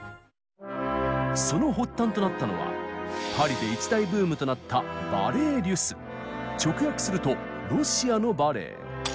その発端となったのはパリで一大ブームとなった直訳するとロシアのバレエ。